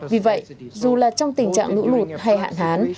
vì vậy dù là trong tình trạng lũ lụt hay hạn hán